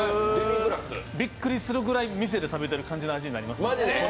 びっくりするぐらい店で食べてる感じの味になります。